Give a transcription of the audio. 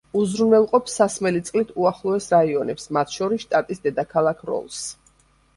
უზრუნველყოფს სასმელი წყლით უახლოეს რაიონებს, მათ შორის შტატის დედაქალაქ როლს.